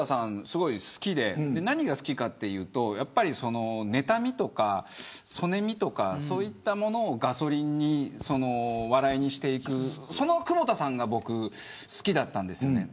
すごく好きで何が好きかというとねたみとか、そねみとかそういったものをガソリンに笑いにしていくその久保田さんが僕は好きだったんですね。